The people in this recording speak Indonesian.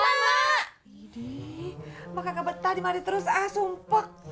iy mak kakak betah dimanit terus ah sumpah